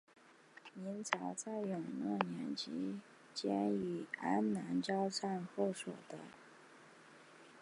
明朝在永乐年间与安南交战后所得。